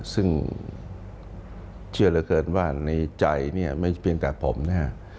ซึ่งเชื่อเหลือเกินว่าในใจไม่เป็นแปลกแต่ผมนะครับ